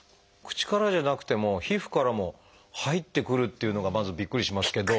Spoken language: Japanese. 口からじゃなくても皮膚からも入ってくるっていうのがまずびっくりしますけど。